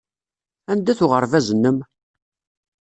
Anda-t uɣerbaz-nnem?